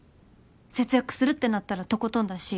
節約するってなったらとことんだし